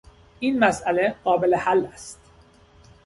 این مسئله قابل حل است.